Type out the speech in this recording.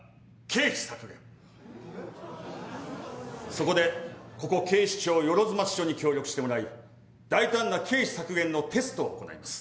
そこでここ警視庁万町署に協力してもらい大胆な経費削減のテストを行ないます。